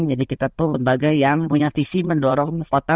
jadi kita tuh lembaga yang punya visi mendorong kota